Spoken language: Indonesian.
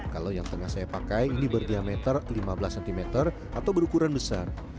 kalau yang tengah saya pakai ini berdiameter lima belas cm atau berukuran besar